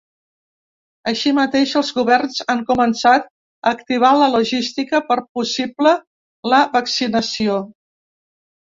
Així mateix, els governs han començat a activar la logística per possible la vaccinació.